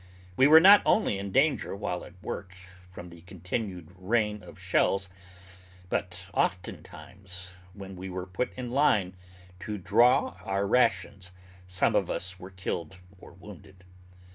We were not only in danger, while at work, from the continued rain of shells, but oftentimes when we were put in line to draw our rations some of us were killed or wounded.